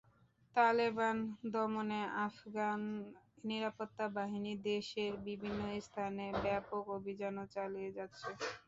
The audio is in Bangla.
তালেবান দমনে আফগান নিরাপত্তা বাহিনী দেশের বিভিন্ন স্থানে ব্যাপক অভিযানও চালিয়ে যাচ্ছে।